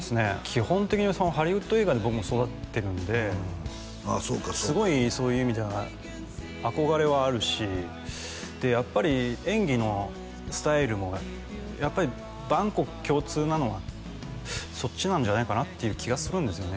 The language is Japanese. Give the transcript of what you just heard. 基本的にハリウッド映画で僕も育ってるんですごいそういう意味では憧れはあるしでやっぱり演技のスタイルもやっぱり万国共通なのはそっちなんじゃないかなっていう気がするんですよね